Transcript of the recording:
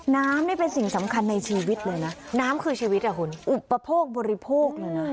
น้ำนี่เป็นสิ่งสำคัญในชีวิตเลยนะน้ำคือชีวิตอ่ะคุณอุปโภคบริโภคเลยนะ